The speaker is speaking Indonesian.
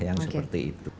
yang seperti itu